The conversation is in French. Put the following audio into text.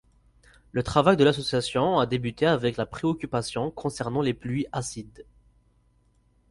Le travail de l'association a débuté avec la préoccupation concernant les pluies acides.